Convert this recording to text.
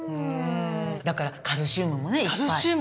だからカルシウムもねいっぱい。